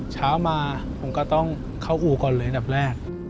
เช้ามาผมก็ต้องเข้าอู่ก่อนเลยอันดับแรก